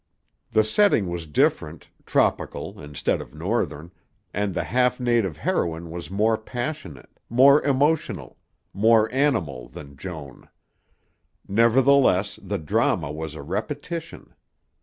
The setting was different, tropical instead of Northern, and the half native heroine was more passionate, more emotional, more animal than Joan. Nevertheless, the drama was a repetition.